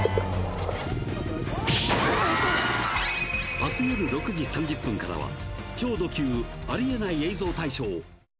明日夜６時３０分からは「超ド級！ありえない映像大賞」。